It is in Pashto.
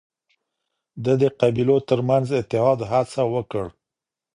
ده د قبيلو ترمنځ اتحاد هڅه وکړ